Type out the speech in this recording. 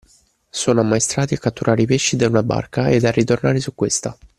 Sono ammaestrati a catturare i pesci da una barca ed a ritornare su questa